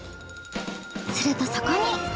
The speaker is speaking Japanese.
するとそこに。